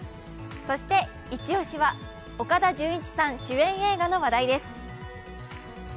そしてイチ押しは岡田准一さん主演映画の話題です。